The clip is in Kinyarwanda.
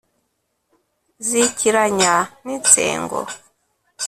zikiranya n’insengo